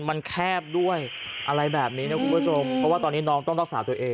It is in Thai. มันแคบด้วยอะไรแบบนี้นะคุณผู้ชมเพราะว่าตอนนี้น้องต้องรักษาตัวเอง